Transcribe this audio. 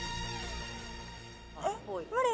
えっ無理。